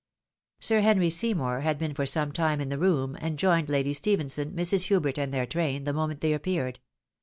Sir Henry Seymour had been for some time in the room, and joined Lady Stephenson, Mrs. Hubert, and their train, the moment they appeared.